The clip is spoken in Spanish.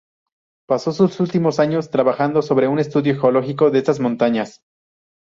Pasó sus últimos años trabajando sobre un estudio geológico de estas montañas.